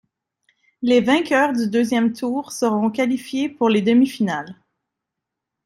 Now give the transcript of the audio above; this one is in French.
Les vainqueurs du deuxième tour seront qualifiées pour les demi-finales.